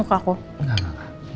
oke kita makan dulu ya